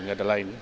nggak ada lain